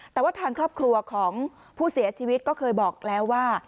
แต่ว่าทางครอบครัวของผู้เสียชีวิตก็เคยบอกแล้วว่า